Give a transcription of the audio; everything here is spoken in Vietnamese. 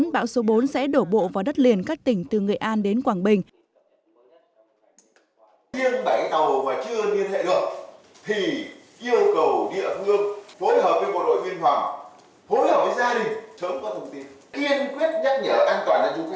bão số bốn sẽ đổ bộ vào đất liền các tỉnh từ nghệ an đến quảng bình